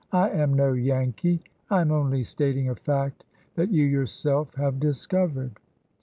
" I am no Yankee! I am only stating a fact that you yourself have discovered."